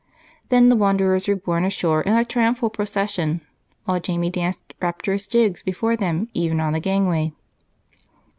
Then the wanderers were borne ashore in a triumphal procession, while Jamie danced rapturous jigs before them even on the gangway.